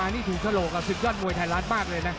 อันนี้ถูกทะโหลกกับสุ่งสถญาณมวยธาราชมากเลยนะ